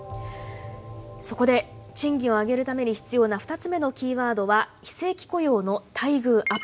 そこで賃金を上げるために必要な２つ目のキーワードは非正規雇用の待遇ＵＰ。